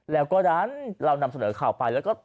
แล้วก็ดันเรานำเสนอข่าวไปแล้วก็